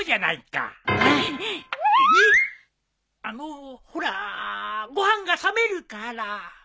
あのほらご飯が冷めるから。